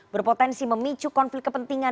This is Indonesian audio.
berpotensi memicu konflik kepentingan